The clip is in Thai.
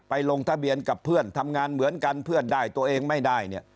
ลงทะเบียนกับเพื่อนทำงานเหมือนกันเพื่อนได้ตัวเองไม่ได้เนี่ย